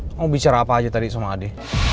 mau bicara apa aja tadi sama adi